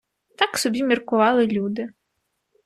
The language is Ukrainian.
Так собі міркували люди.